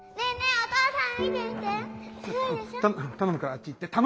お母さん！